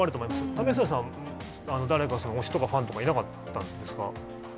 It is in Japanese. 為末さん、誰か、推しとかファン僕はいなかったですね。